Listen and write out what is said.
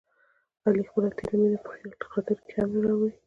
علي خپله تېره مینه په خیال خاطر کې هم نه راوړي.